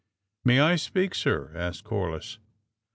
'' May I speak, sir?" asked Corliss.